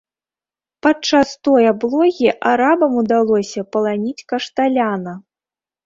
Падчас той аблогі арабам удалося паланіць кашталяна.